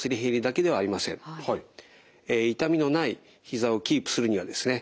痛みのないひざをキープするにはですね